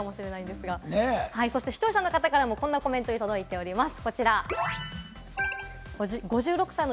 視聴者の方からもこんなコメントが届いています。